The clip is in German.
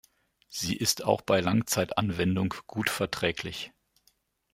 Sie ist auch bei Langzeitanwendung gut verträglich.